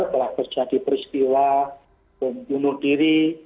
telah terjadi peristiwa pembunuh diri